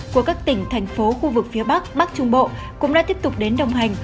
của các tỉnh thành phố khu vực phía bắc bắc trung bộ cũng đã tiếp tục đến đồng hành